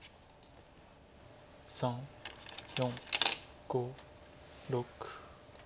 ３４５６。